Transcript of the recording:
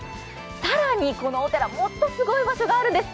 更に、このお寺もっとすごい場所があるんです。